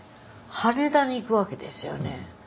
羽田に行くわけですよね。